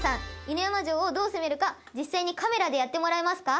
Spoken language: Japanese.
犬山城を、どう攻めるか実際にカメラでやってもらえますか？